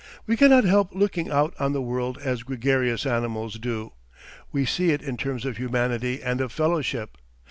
We cannot help looking out on the world as gregarious animals do; we see it in terms of humanity and of fellowship.